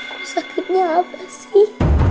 aku sakitnya apa sih